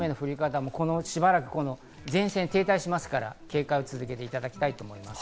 しばらくは前線が停滞するので警戒を続けていただきたいと思います。